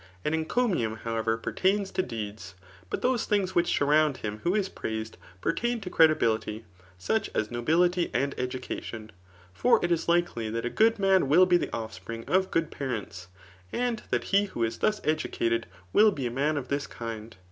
] An encomium, however, pertains to deeds } but those things which surround him ivbo n praised, pertain to credibility i such as nobility »d education. For it is likely th^t a good man will be the offspring of good parents, and that he who is thus educated will be a man of this kind.